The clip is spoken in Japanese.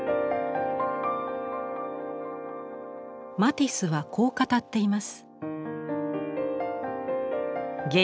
マティスはこう語っています。